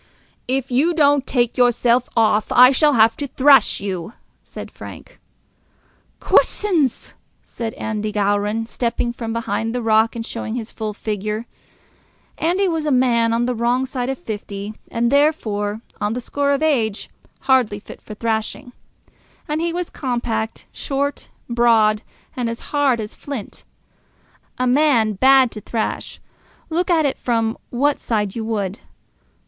"If you don't take yourself off, I shall have to thrash you," said Frank. "Coosins!" said Andy Gowran, stepping from behind the rock and showing his full figure. Andy was a man on the wrong side of fifty, and therefore, on the score of age, hardly fit for thrashing. And he was compact, short, broad, and as hard as flint; a man bad to thrash, look at it from what side you would.